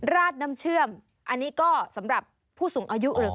ราดน้ำเชื่อมอันนี้ก็สำหรับผู้สูงอายุเอ่ย